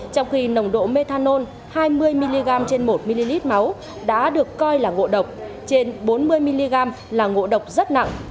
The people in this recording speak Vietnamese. trong khi nồng độ methanol hai mươi mg trên một ml máu đã được coi là ngộ độc trên bốn mươi mg là ngộ độc rất nặng